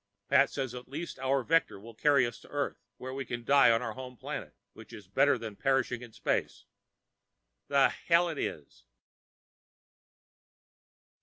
Pat says at least our vector will carry us to Earth and we can die on our home planet, which is better than perishing in space. The hell it is.